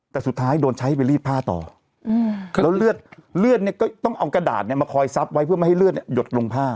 แต่สุดท้ายโดนใช้ให้ไปรีบผ้าต่ออืมแล้วเลือดเลือดเนี้ยก็ต้องเอากระดาษเนี้ยมาคอยซับไว้เพื่อไม่ให้เลือดเนี้ยหยดลงผ้า